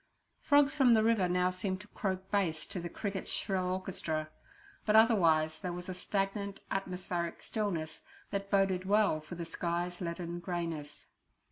Frogs from the river now seemed to croak bass to the crickets' shrill orchestra, but otherwise there was a stagnant atmospheric stillness that boded well for the sky's leaden greyness.